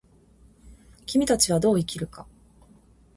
君たちはどう生きるか。